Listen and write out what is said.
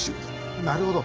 なるほど。